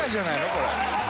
これ。